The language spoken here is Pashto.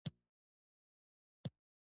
نه ګائیډ لرم.